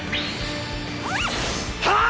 はい！！